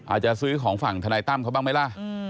อาจจะซื้อของฝั่งธนายตั้มเขาบ้างไหมล่ะ